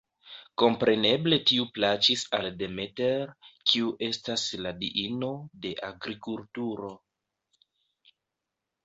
Kompreneble tiu plaĉis al Demeter, kiu estas la diino de agrikulturo.